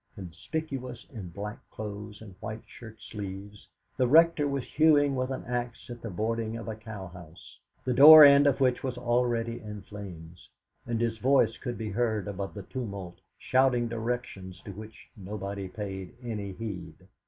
Conspicuous in black clothes and white shirt sleeves, the Rector was hewing with an axe at the boarding of a cowhouse, the door end of which was already in flames, and his voice could be heard above the tumult shouting directions to which nobody paid any heed.